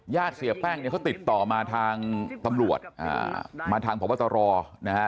ญาติเสียแป้งเนี่ยเขาติดต่อมาทางตำรวจมาทางพบตรนะฮะ